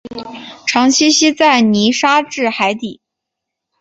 常栖息在泥沙质海底。